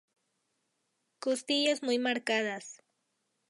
Costillas muy marcadas.